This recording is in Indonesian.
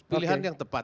pilihan yang tepat